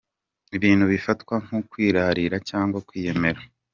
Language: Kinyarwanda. Ibintu bifatwa nko kwirarira cyangwa kwiyemera.